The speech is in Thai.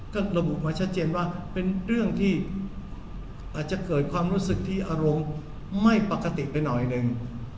ก็ระบุมาชัดเจนว่าเป็นเรื่องที่อาจจะเกิดความรู้สึกที่อารมณ์ไม่ปกติไปหน่อยหนึ่ง